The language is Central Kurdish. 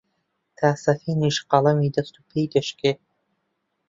تا سەفینیش قەڵەمی دەست و پێی دەشکێ،